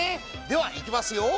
ではいきますよ。